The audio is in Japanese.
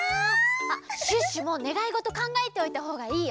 あっシュッシュもねがいごとかんがえておいたほうがいいよ。